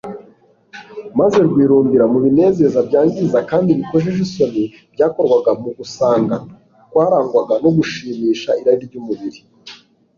maze rwirundurira mu binezeza byangiza kandi bikojeje isoni byakorwaga mu gusanga kwarangwaga no gushimisha irari ryumubiri